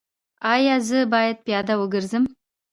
ایا زه باید پیاده وګرځم؟